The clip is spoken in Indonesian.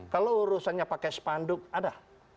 kalau urusannya pakai spanduk ada